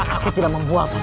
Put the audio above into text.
aku tidak membual pak